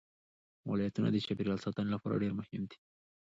ولایتونه د چاپیریال ساتنې لپاره ډېر مهم دي.